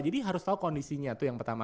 jadi harus tahu kondisinya itu yang pertama